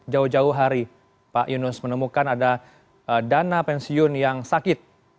jauh jauh hari pak yunus menemukan ada dana pensiun yang sakit